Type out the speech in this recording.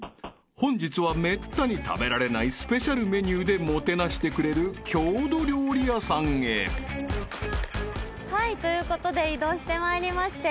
［本日はめったに食べられないスペシャルメニューでもてなしてくれる郷土料理屋さんへ］ということで移動してまいりまして。